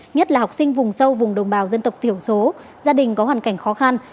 nhất là học sinh vùng sâu vùng đồng bào dân tộc thiểu số gia đình có hoàn cảnh khó khăn